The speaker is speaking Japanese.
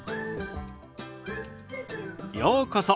ようこそ。